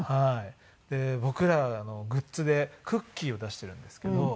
で僕らのグッズでクッキーを出しているんですけど。